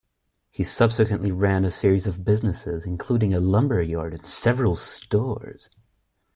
He subsequently ran a series of businesses, including a lumberyard and several stores.